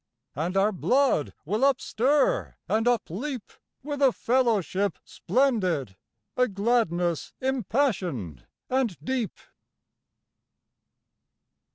And our blood will upstir and upleap With a fellowship splendid, a gladness impassioned and deep